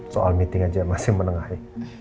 soal meeting aja masih menengahi